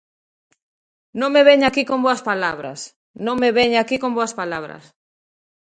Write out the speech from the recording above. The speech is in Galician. Non me veña aquí con boas palabras, non me veña aquí con boas palabras.